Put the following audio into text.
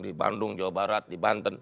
di bandung jawa barat di banten